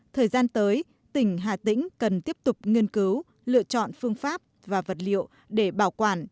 thời gian tới tỉnh hà tĩnh cần tiếp tục nghiên cứu lựa chọn phương pháp và vật liệu để bảo quản